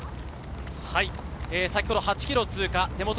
先ほど８ｋｍを通過。